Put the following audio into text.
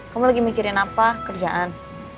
kamu lagi mikirin apa kerjaan